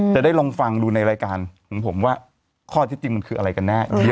จะได้ลองฟังดูในรายการของผมว่าข้อเท็จจริงมันคืออะไรกันแน่